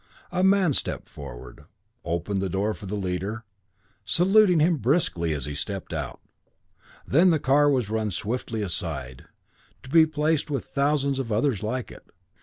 A man stepped forward, opened the door for the leader, saluting him briskly as he stepped out; then the car was run swiftly aside, to be placed with thousands of others like it.